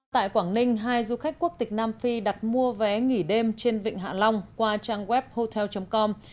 tại quảng ninh hai du khách quốc tịch nam phi đặt mua vé nghỉ đêm trên vịnh hạ long qua trang web hotel com